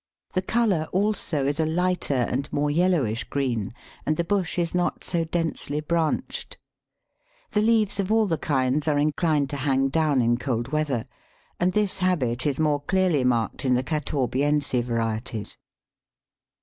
The colour also is a lighter and more yellowish green, and the bush is not so densely branched. The leaves of all the kinds are inclined to hang down in cold weather, and this habit is more clearly marked in the catawbiense varieties.